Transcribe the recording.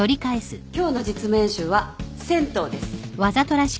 今日の実務演習は銭湯です。